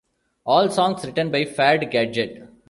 All songs written by Fad Gadget.